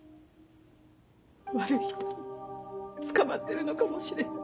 悪い人に捕まってるのかもしれない。